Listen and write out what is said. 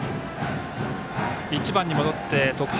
１番に戻って、徳弘。